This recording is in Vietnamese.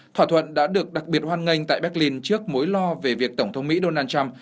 thỏa thuận đã được đặc biệt hoan nghênh tại berlin trước mối lo về việc tổng thống mỹ donald trump